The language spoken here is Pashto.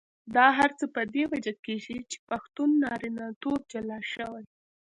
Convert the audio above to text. دا هر څه په دې وجه کېږي چې پښتون نارینتوب جلا شوی.